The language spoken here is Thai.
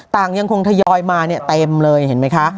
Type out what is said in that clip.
ต่างยังคงทยอยมาเต็มเลยเห็นไหมคะ